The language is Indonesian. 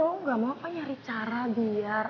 lu gak mau apa apa nyari cara biar